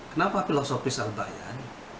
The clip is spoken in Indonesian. kenapa filosofis al bayan